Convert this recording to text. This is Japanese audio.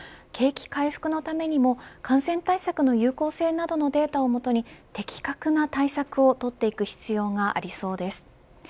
景気回復のためにも感染対策の有効性などのデータをもとに的確な対策をとっていく必要がありそうです。